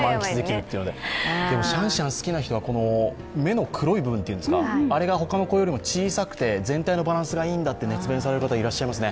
でも、シャンシャン好きな人は、目の黒い部分というんですか、あれが他の子よりも小さくて全体のバランスがいいんだと熱弁される方いらっしゃいますね。